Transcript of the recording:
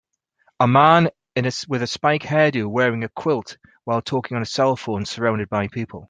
A man with a spike hairdo wearing a quilt while talking on a cellphone surrounded by people.